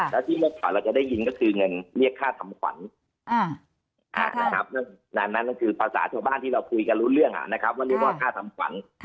แล้วที่เมื่อก่อนเราจะได้ยินก็คือเงินเรียกค่าทำขวัญเรื่องนั้นก็คือภาษาชาวบ้านที่เราคุยกันรู้เรื่องนะครับว่าเรียกว่าค่าทำขวัญ